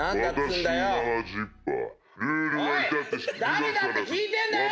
「誰だ？」って聞いてんだよ